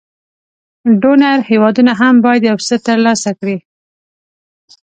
ډونر هېوادونه هم باید یو څه تر لاسه کړي.